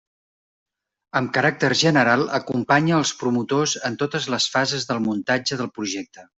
Amb caràcter general acompanya els promotors en totes les fases del muntatge del projecte.